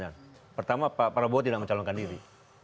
yang pertama pak prabowo tidak mencalonkan diri